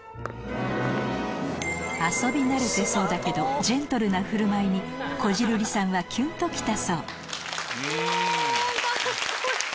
遊び慣れてそうだけどジェントルな振る舞いにこじるりさんはキュンと来たそうもうカッコいい。